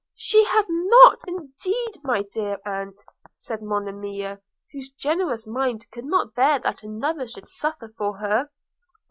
'She has not indeed, my dear aunt,' said Monimia, whose generous mind could not bear that another should suffer for her.